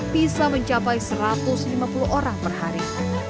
bisa mencapai satu ratus lima puluh orang per hari